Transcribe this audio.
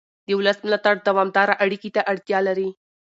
د ولس ملاتړ دوامداره اړیکې ته اړتیا لري